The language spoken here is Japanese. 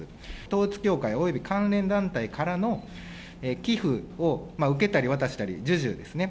統一教会および関連団体からの寄付を受けたり渡したり、授受ですね。